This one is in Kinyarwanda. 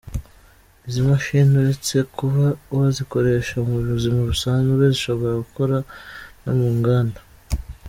Izi mashini uretse kuba wazikoresha mu buzima busanzwe zishobora gukora no mu nganda.